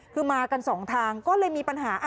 คือมากันสองทางก็เลยมีปัญหา